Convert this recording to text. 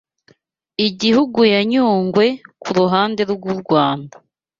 Igihugu ya Nyungwe ku ruhande rw’u Rwanda